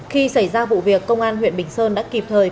khi xảy ra vụ việc công an huyện bình sơn đã kịp thời